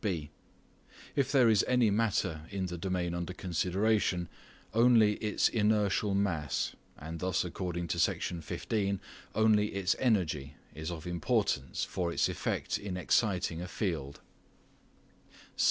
(b) If there is any matter in the domain under consideration, only its inertial mass, and thus according to Section 15 only its energy is of importance for its etfect in exciting a field.